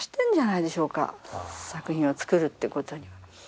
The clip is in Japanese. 作品を作るってことには。